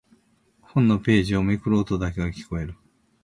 本のページをめくる音だけが聞こえる。